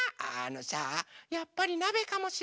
やっぱりなべかもしれないね。